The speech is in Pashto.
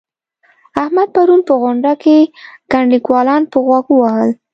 احمد پرون په غونډه کې ګڼ ليکوالان په غوږ ووهل.